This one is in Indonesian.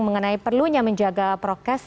mengenai perlunya menjaga prokes